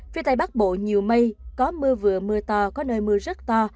phía tây bắc bộ nhiều mây có mưa vừa mưa to có nơi mưa rất to